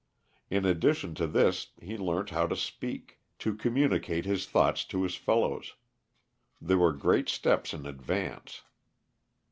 In addition to this he learnt how to speak, to communicate his thoughts to his fellows. These were great steps in advance.